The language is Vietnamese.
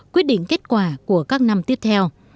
quyết định kết quả của các năm tiếp theo